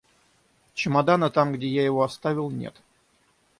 Чемодана, там, где я его оставил, нет.